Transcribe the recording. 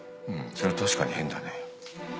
それは確かに変だね。